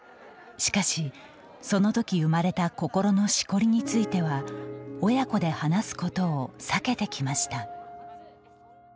しかし、その時生まれた心のしこりについては親子で話すことを避けてきました。